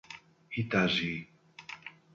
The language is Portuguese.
Itagi